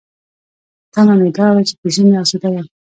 تمه مې دا وه چې په ژمي اسوده یم.